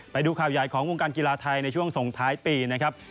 ไปดูข่าวใหญ่ของวงการกีฬาไทยในช่วงส่งท้ายปีนะครับ